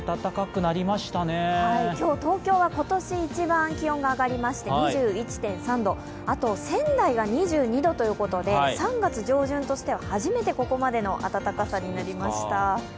今日、東京は今年一番気温が上がりまして２１．３度、あと仙台が２２度ということて３月上旬としては初めてここまでの暖かさになりました。